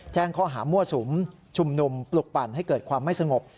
แจ้งข้อหามั่วสุมชุมนุมปลุกปั่นให้เกิดความไม่สงบ